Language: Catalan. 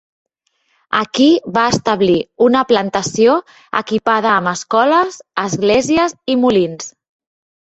Aquí va establir una plantació equipada amb escoles, esglésies i molins.